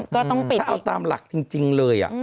ก็ต้องปิดถ้าเอาตามหลักจริงเลย